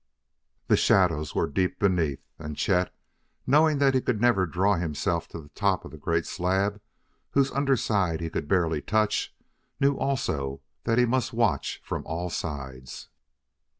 The shadows were deep beneath, and Chet, knowing that he could never draw himself to the top of the great slab whose under side he could barely touch, knew also that he must watch from all sides.